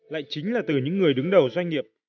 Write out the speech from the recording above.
lại chính là từ những người đứng đầu doanh nghiệp